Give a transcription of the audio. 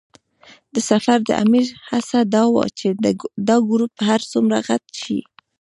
د سفر د امیر هڅه دا وه چې دا ګروپ هر څومره غټ شي.